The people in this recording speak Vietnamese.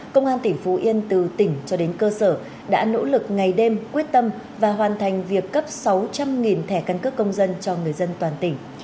công an tỉnh phú yên từ tỉnh cho đến cơ sở đã nỗ lực ngày đêm quyết tâm và hoàn thành việc cấp sáu trăm linh thẻ căn cước công dân cho người dân toàn tỉnh